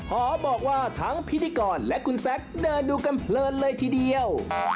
เพราะบอกว่าทั้งพิธีกรและคุณแซ็คเดินดูกันเลยทีเดียว